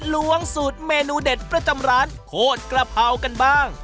ล้วงสูตรเมนูเด็ดประจำร้านโคตรกระเพรากันบ้าง